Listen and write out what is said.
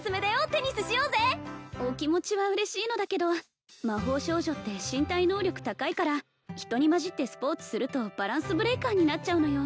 テニスしようぜお気持ちは嬉しいのだけど魔法少女って身体能力高いから人にまじってスポーツするとバランスブレイカーになっちゃうのよ